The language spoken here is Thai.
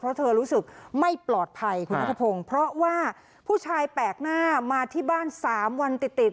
เพราะเธอรู้สึกไม่ปลอดภัยคุณนัทพงศ์เพราะว่าผู้ชายแปลกหน้ามาที่บ้าน๓วันติดติด